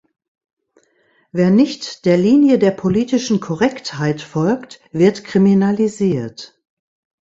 Wer nicht der Linie der politischen Korrektheit folgt, wird kriminalisiert.